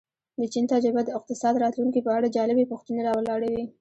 د چین تجربه د اقتصاد راتلونکې په اړه جالبې پوښتنې را ولاړوي.